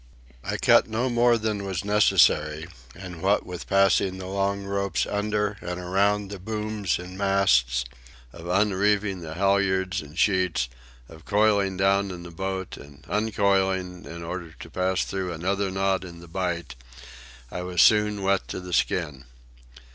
I cut no more than was necessary, and what with passing the long ropes under and around the booms and masts, of unreeving the halyards and sheets, of coiling down in the boat and uncoiling in order to pass through another knot in the bight, I was soon wet to the skin.